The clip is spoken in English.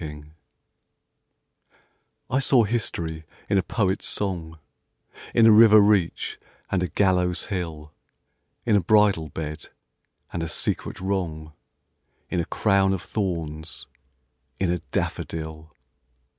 SYMBOLS I saw history in a poet's song, In a river reach and a gallows hill, In a bridal bed, and a secret wrong, In a crown of thorns: in a daffodil.